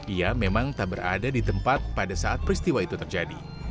ia memang tak berada di tempat pada saat peristiwa itu terjadi